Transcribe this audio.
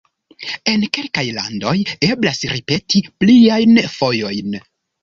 En kelkaj landoj eblas ripeti pliajn fojojn.